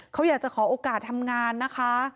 เขาอยากจะขอโอกาสทำงานนะคะ